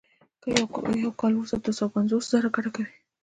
یو کال وروسته دوه سوه پنځوس زره ګټه کوي